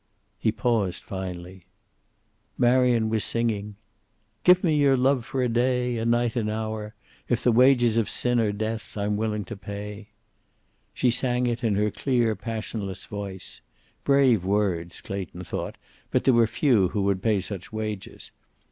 He paused, finally. Marion was singing. "Give me your love for a day; A night; an hour. If the wages of sin are Death I'm willing to pay." She sang it in her clear passionless voice. Brave words, Clayton thought, but there were few who would pay such wages.